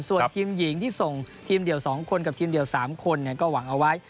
ส่วนทีมหญิงที่ส่งทีมเดี่ยว๒คนกับทีมเดี่ยว๓คนก็หวังเอาไว้